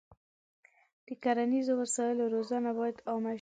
د کرنیزو وسایلو روزنه باید عامه شي.